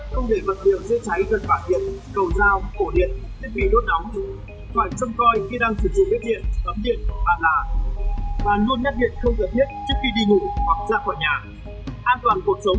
không để vật liệu dưới cháy gần bảng điện cầu dao cổ điện thiết bị đốt nóng